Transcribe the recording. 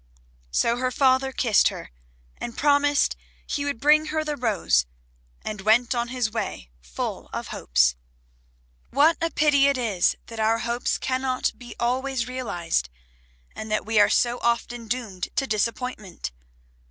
So her father kissed her, and promised he would bring her the rose, and went on his way full of hopes. What a pity it is that our hopes cannot be always realized, and that we are so often doomed to disappointment!